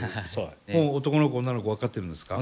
もう男の子女の子分かってるんですか？